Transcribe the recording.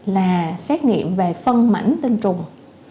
là xét nghiệm về phân mảnh tinh trùng